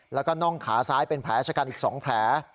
แล้วก็น่องขาซ้ายเป็นแผลชะกันอีก๒แผล